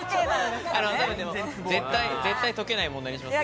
絶対解けない問題にしますよ。